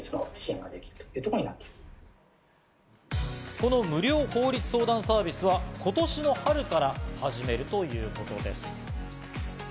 この無料法律相談サービスは今年の春から始めるということです。